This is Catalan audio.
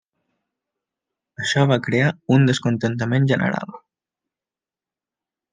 Això va crear un descontentament general.